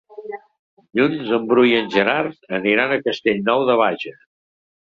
Dilluns en Bru i en Gerard aniran a Castellnou de Bages.